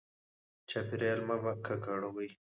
چاپیریال مه ککړوئ.